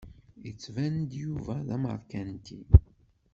Yettban-d Yuba d amarkanti.